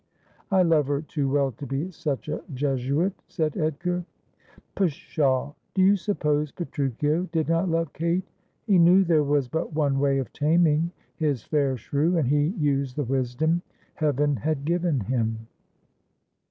' I love her too well to be such a Jesuit,' said Edgar. ' Pshaw ! do you suppose Petruchio did not love Kate? He knew there was but one way of taming his fair shrew, and he used the wisdom Heaven had given him.'